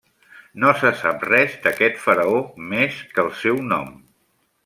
No se sap res d'aquest faraó més que el seu nom.